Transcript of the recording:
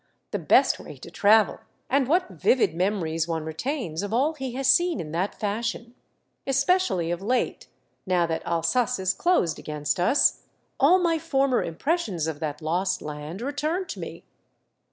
The best way to travel ; and what vivid memories one retains of all he has seen in that fashion ! Especially of late, now that Alsace is closed against us, all my former impressions of that lost land return to me.